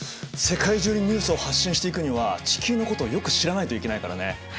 世界中にニュースを発信していくには地球のことをよく知らないといけないからね。